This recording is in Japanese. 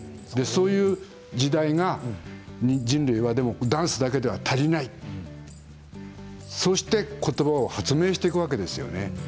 そういう時代が人類はダンスだけでは足りないそして、ことばを発明していくわけですよね。